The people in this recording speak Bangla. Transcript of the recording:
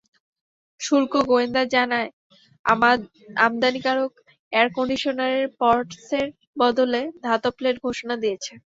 শুল্ক গোয়েন্দা জানায়, আমদানিকারক এয়ারকন্ডিশনারের পার্টসের বদলে ধাতব প্লেট ঘোষণা দিয়েছিল।